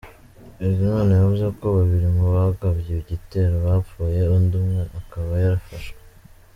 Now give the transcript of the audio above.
Bizimana yavuze ko babiri mu bagabye igitero bapfuye, undi umwe akaba yafashwe.